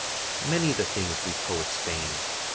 Many the things we poets feign.